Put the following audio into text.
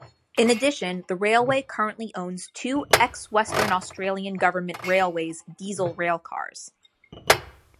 In addition, the railway currently owns two ex-Western Australian Government Railways diesel railcars.